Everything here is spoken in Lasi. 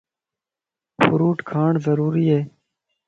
ڦروٽ کاڻ ضروري ائي.